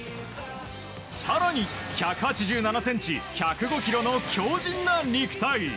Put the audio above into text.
更に、１８７ｃｍ１０５ｋｇの強靭な肉体。